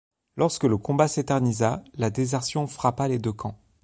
Lorsque le combat s'éternisa, la désertion frappa les deux camps.